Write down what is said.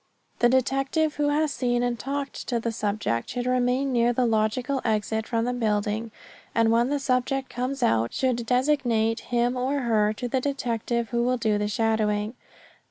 The detective who has seen and talked to the subject should remain near the logical exit from the building and when the subject comes out should designate him or her to the detective who will do the shadowing.